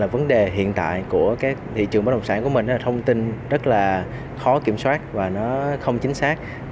vấn đề hiện tại của thị trường bất đồng sản của mình là thông tin rất khó kiểm soát và không chính xác